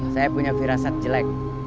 saya punya firasat jelek